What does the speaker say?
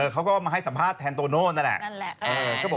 เขามาให้สัมภาษณ์แทนโตโนนั่นแหละ